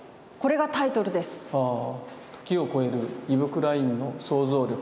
「時を超えるイヴ・クラインの想像力